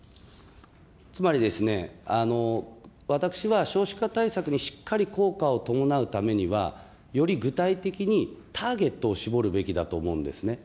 つまりですね、私は少子化対策にしっかり効果を伴うためには、より具体的にターゲットを絞るべきだと思うんですね。